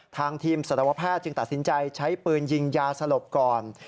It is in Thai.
ทางทีมสัตวแพทย์จึงตัดสินใจใช้ปืนยิงยาสลบก่อน